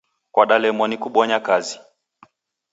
Kwadalemwa ni kubonya kazi.